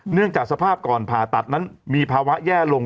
เนื่องจากสภาพก่อนผ่าตัดนั้นมีภาวะแย่ลง